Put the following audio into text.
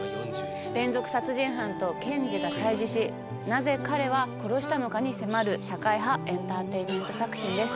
連続殺人犯と検事が対峙しなぜ彼は殺したのかに迫る社会派エンターテインメント作品です。